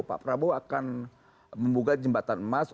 pak prabowo akan membuka jembatan emas